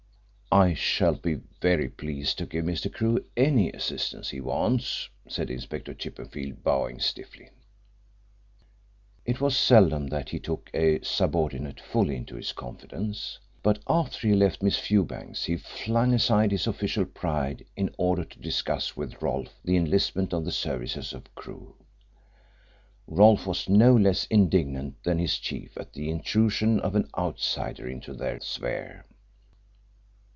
"I shall be very pleased to give Mr. Crewe any assistance he wants," said Inspector Chippenfield, bowing stiffly. It was seldom that he took a subordinate fully into his confidence, but after he left Miss Fewbanks he flung aside his official pride in order to discuss with Rolfe the enlistment of the services of Crewe. Rolfe was no less indignant than his chief at the intrusion of an outsider into their sphere.